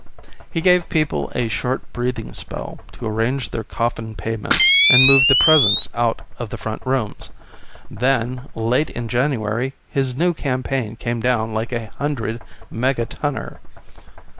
He gave people a short breathing spell to arrange their coffin payments and move the presents out of the front rooms. Then, late in January, his new campaign came down like a hundred megatonner.